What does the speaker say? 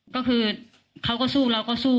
ก็คือเขาก็สู้เราก็สู้